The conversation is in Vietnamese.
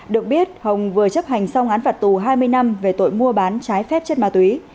được biết hồng vừa chấp hành xong án phạt tù hai mươi năm về tội mua bán trái phép chất ma túy